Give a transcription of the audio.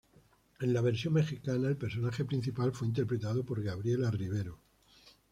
En la versión mexicana, el personaje principal fue interpretado por Gabriela Rivero.